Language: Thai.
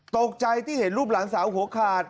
ตกใจที่เห็นรูปหลานสาวหัวขาด